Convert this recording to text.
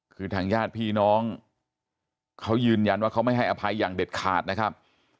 คือทางญาติพี่น้องเขายืนยันว่าเขาไม่ให้อภัยอย่างเด็ดขาดนะครับ